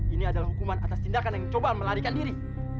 ini adalah hukuman atas tindakan yang coba melarikan diri